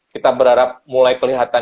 kita berharap mulai kelihatan